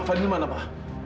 fadil mana pak